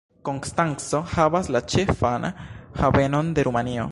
Konstanco havas la ĉefan havenon de Rumanio.